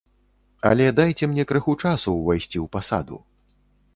Але дайце мне крыху часу ўвайсці ў пасаду.